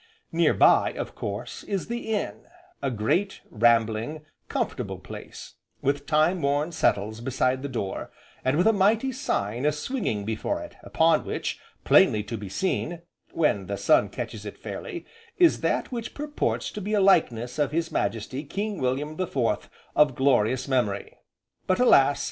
Near by, of course, is the inn, a great, rambling, comfortable place, with time worn settles beside the door, and with a mighty sign a swinging before it, upon which, plainly to be seen (when the sun catches it fairly) is that which purports to be a likeness of His Majesty King William the Fourth, of glorious memory. But alas!